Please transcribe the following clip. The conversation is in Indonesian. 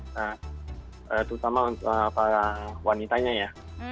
nah terutama untuk para wanitanya ya